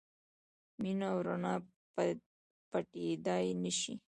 مینه او رڼا پټېدای نه شي.